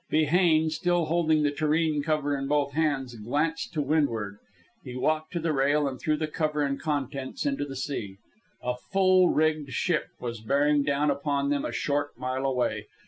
Behane, still holding the tureen cover in both his hands, glanced to windward. He walked to the rail and threw the cover and contents into the sea. A full rigged ship was bearing down upon them a short mile away.